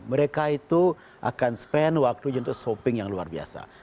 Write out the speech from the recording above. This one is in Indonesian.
mereka itu akan spend waktunya untuk shopping yang luar biasa